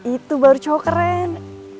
itu baru cowok keren